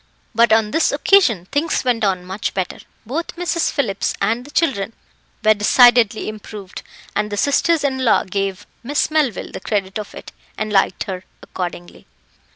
But on this occasion things went on much better; both Mrs. Phillips and the children were decidedly improved, and the sisters in law gave Miss Melville the credit of it, and liked her accordingly.